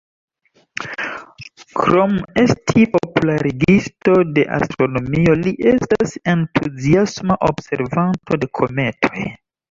Krom esti popularigisto de astronomio, li estas entuziasma observanto de kometoj.